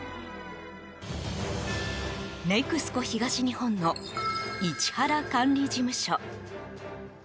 ＮＥＸＣＯ東日本の市原管理事務所。